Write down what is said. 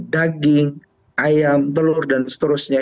daging ayam telur dan seterusnya